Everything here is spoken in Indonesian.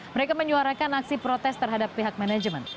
mereka menyuarakan aksi protes terhadap pihak manajemen